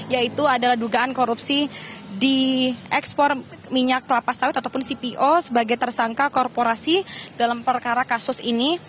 yaitu adalah dugaan korupsi di ekspor minyak kelapa sawit ataupun cpo sebagai tersangka korporasi dalam perkara kasus ini